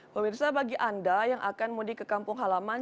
pemirsa bagi anda yang akan mudik ke kampung halaman